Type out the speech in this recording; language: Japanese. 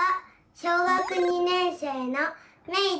小学２年生のめいです。